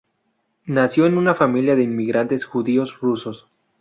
Nació en una familia de inmigrantes judíos rusos.